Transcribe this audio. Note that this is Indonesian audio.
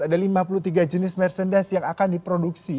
ada lima puluh tiga jenis merchandise yang akan diproduksi